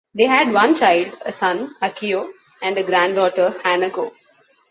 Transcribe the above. They had one child, a son, Akio, and a granddaughter, Hanako.